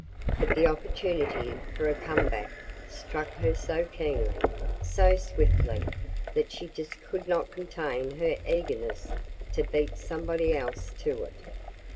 But the opportunity for a come back struck her so keenly, so swiftly, that she just could not contain her eagerness to beat somebody else to it.